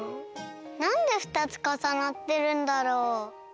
なんで２つかさなってるんだろう？